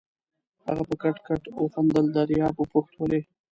هغه په کټ کټ وخندل، دریاب وپوښت: ولې؟